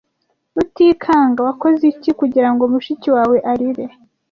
Rutikanga , wakoze iki kugirango mushiki wawe arire?